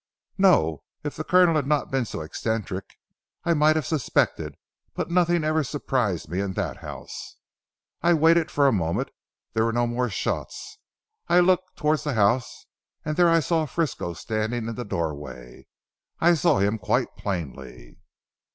"No! If the Colonel had not been so eccentric I might have suspected, but nothing ever surprised me in that house. I waited for a moment. There were no more shots. I looked towards the house and there I saw Frisco standing in the doorway. I saw him quite plainly."